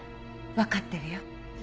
分かってるよ。